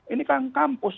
ini kan kampus